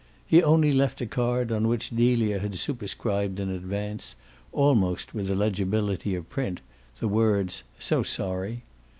He only left a card on which Delia had superscribed in advance, almost with the legibility of print, the words "So sorry!"